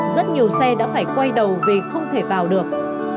rất nhiều xe đã phải quay đầu vì không thể vào được